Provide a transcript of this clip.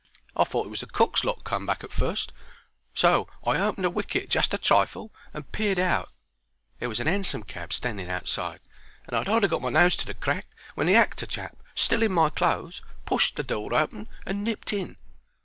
I thought it was the cook's lot come back at fust, so I opened the wicket just a trifle and peeped out. There was a 'ansom cab standing outside, and I 'ad hardly got my nose to the crack when the actor chap, still in my clothes, pushed the door open and nipped in.